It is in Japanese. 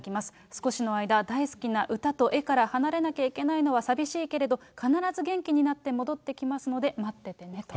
少しの間、大好きな歌と絵から離れなきゃいけないのは寂しいけれど、必ず元気になって戻ってきますので待っててねと。